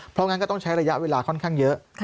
เพราะงั้นก็ต้องใช้ระยะเวลาค่อนข้างเยอะ